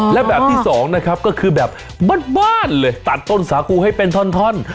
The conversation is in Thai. และแบบที่สองนะครับก็คือแบบบ้านเลยตัดต้นสากูให้เป็นท่อน